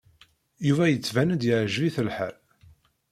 Yuba yettban-d yeɛjeb-it lḥal.